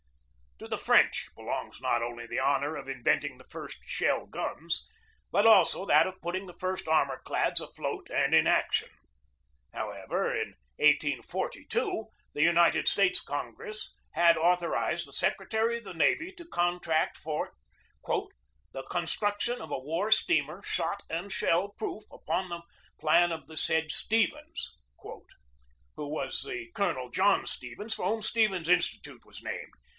To the French belongs not only the honor of in venting the first shell guns, but also that of putting the first armor clads afloat and in action. However, in 1842 the United States Congress had authorized the secretary of the navy to contract for "the con struction of a war steamer, shot and shell proof, upon the plan of the said Stevens/' who was the Colonel John Stevens for whom Stevens Institute was named.